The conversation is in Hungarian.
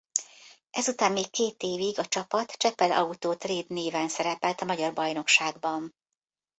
Ezután még két évig a csapat Csepel-Auto Trade néven szerepelt a magyar bajnokságban.